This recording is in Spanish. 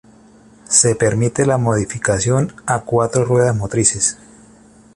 Se permite la modificación a cuatro ruedas motrices.